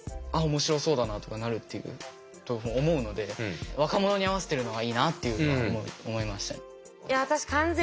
面白そうだなとかなるっていうと思うので若者に合わせてるのがいいなっていうのは思いましたね。